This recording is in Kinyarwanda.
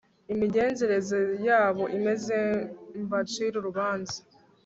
imigenzereze yabo imeze mbacire urubanza